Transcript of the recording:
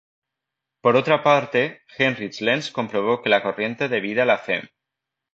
Por otra parte, Heinrich Lenz comprobó que la corriente debida a la f.e.m.